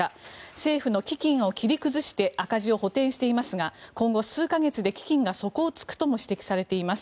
政府の基金を切り崩して赤字を補てんしていますが今後数か月で基金が底を突くとも指摘されています。